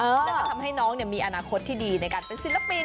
แล้วก็ทำให้น้องมีอนาคตที่ดีในการเป็นศิลปิน